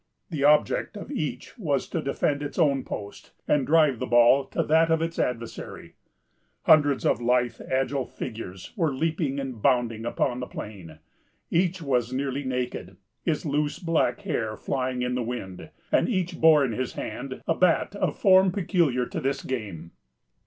The object of each was to defend its own post, and drive the ball to that of its adversary. Hundreds of lithe and agile figures were leaping and bounding upon the plain. Each was nearly naked, his loose black hair flying in the wind, and each bore in his hand a bat of a form peculiar to this game.